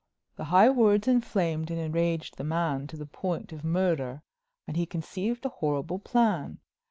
The high words inflamed and enraged the man to the point of murder and he conceived a horrible plan.